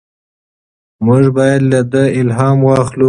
موږ باید له ده الهام واخلو.